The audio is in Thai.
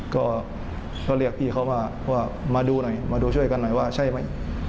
ก็เรียกพี่เขามาดูช่วยกันหน่อยว่าใช่ไหม